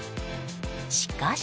しかし。